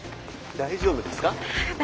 大丈夫です。